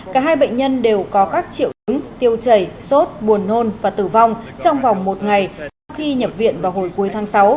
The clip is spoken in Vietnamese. cả hai bệnh nhân đều có các triệu chứng tiêu chảy sốt buồn nôn và tử vong trong vòng một ngày sau khi nhập viện vào hồi cuối tháng sáu